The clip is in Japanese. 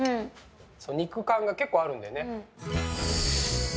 肉感が結構あるんだよね。